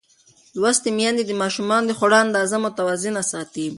لوستې میندې د ماشومانو د خوړو اندازه متوازنه ساتي.